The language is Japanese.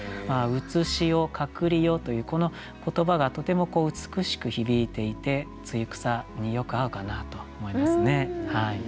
「現世」「隠世」というこの言葉がとても美しく響いていて「露草」によく合うかなと思いますね。